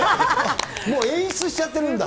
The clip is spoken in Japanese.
もう演出しちゃってるんだ。